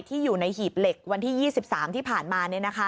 อยู่ในหีบเหล็กวันที่๒๓ที่ผ่านมา